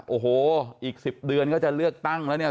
โอ้โหอีก๑๐เดือนก็จะเลือกตั้งแล้วเนี่ย